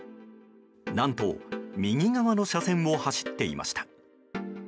何と、右側の車線を走っていました。